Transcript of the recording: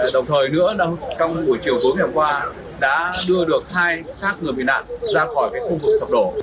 đồng thời nữa trong buổi chiều tối ngày hôm qua đã đưa được hai sát người bị nạn ra khỏi khu vực sập đổ